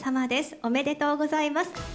おめでとうございます。